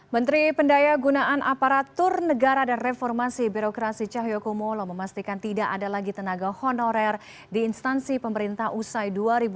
menteri pendaya gunaan aparatur negara dan reformasi birokrasi cahyokumolo memastikan tidak ada lagi tenaga honorer di instansi pemerintah usai dua ribu dua puluh